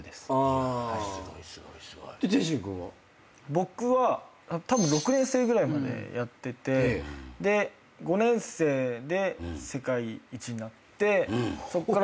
僕は６年生ぐらいまでやってて５年生で世界一になってそっからキックボクシング。